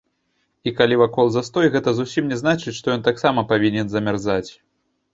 І калі вакол застой, гэта зусім не значыць, што ён таксама павінен замярзаць.